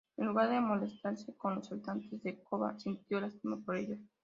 En lugar de molestarse con los habitantes de Koba, sintió lástima por ellos.